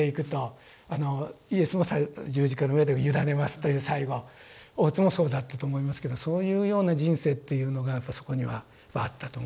イエスも十字架の上で委ねますという最期大津もそうだったと思いますけどそういうような人生っていうのがやっぱそこにはあったと思いますね。